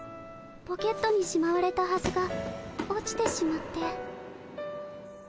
ポケットにしまわれたはずが落ちてしまって。